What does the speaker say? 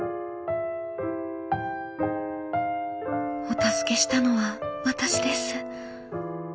「お助けしたのはわたしです」。